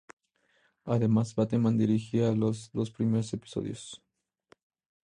Además Bateman dirigirá los dos primeros episodios.